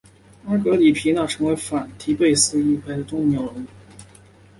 阿格里皮娜成了反提贝里乌斯一派的重要人物。